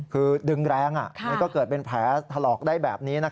คือดึงแรงมันก็เกิดเป็นแผลถลอกได้แบบนี้